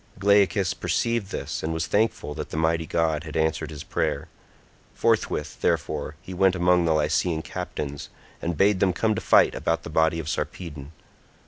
Glaucus perceived this, and was thankful that the mighty god had answered his prayer; forthwith, therefore, he went among the Lycian captains, and bade them come to fight about the body of Sarpedon.